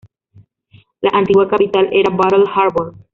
La antigua capital era Battle Harbour.